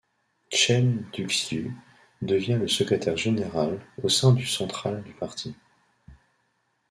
Chen Duxiu devient le secrétaire général, au sein du central du Parti.